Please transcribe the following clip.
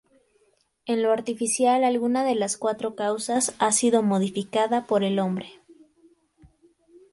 En lo artificial alguna de las cuatro causas ha sido modificada por el hombre.